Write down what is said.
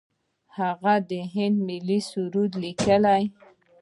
هغه د هند ملي سرود لیکلی.